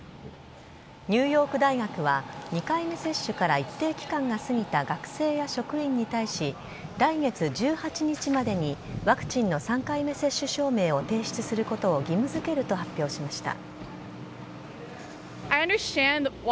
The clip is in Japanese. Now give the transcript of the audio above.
ニューヨーク大学は２回目接種から一定期間が過ぎた学生や職員に対し来月１８日までにワクチンの３回目接種証明を提出することを義務付けると発表しました。